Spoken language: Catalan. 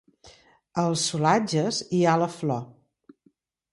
Als solatges hi ha la flor.